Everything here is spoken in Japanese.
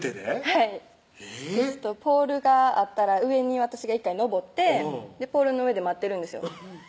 はいポールがあったら上に私が１回上ってポールの上で待ってるんですよ